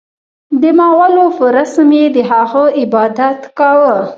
د مغولو په رسم یې د هغه عبادت کاوه.